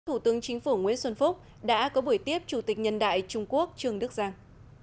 thủ tướng chính phủ nguyễn xuân phúc đã có buổi tiếp chủ tịch nhân đại trung quốc trương đức giang